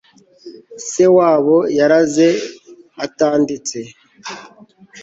se wabo yaraze atanditse